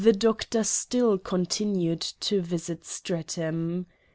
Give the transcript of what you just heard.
7 Doctor still continued to visit Streatham.